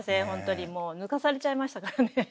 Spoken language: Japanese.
本当にもう抜かされちゃいましたからね。